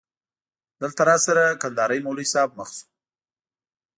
دلته راسره کندهاری مولوی صاحب مخ شو.